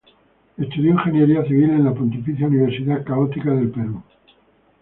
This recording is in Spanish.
Estudió Ingeniería Civil en la Pontificia Universidad Católica del Perú.